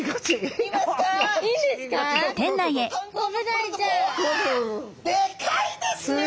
でかいですね！